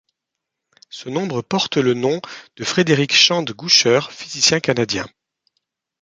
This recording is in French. Ce nombre porte le nom de Frederick Shand Goucher, physicien canadien.